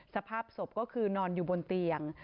สภาพศพก็คือนอนอยู่บนเตียง